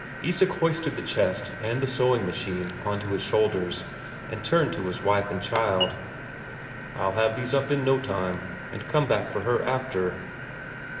Isak hoisted the chest and the sewing machine on to his shoulders, and turned to his wife and child: "I'll have these up in no time, and come back for her after."